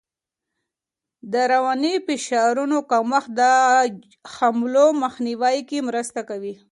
د رواني فشارونو کمښت د حملو مخنیوی کې مرسته کوي.